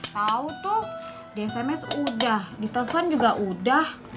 tau tuh di sms udah di telepon juga udah